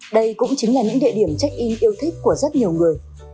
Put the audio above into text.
đây cũng chính là những địa điểm trách y yêu thích của rất nhiều người